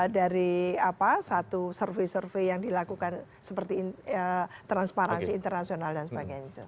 dari satu survei survei yang dilakukan seperti transparansi internasional dan sebagainya